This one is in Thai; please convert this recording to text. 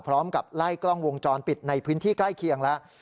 พร้อมกับไล่กล้องวงจรปิดในพื้นที่ใกล้เคียงแล้ว